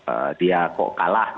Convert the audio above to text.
itu dimarahi oleh teman